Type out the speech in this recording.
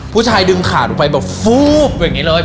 ผู้ชายดึงขาดออกไปแบบแบบไว้ไงเลย